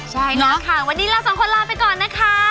ใช่แล้วค่ะวันนี้เราสองคนลาไปก่อนนะคะ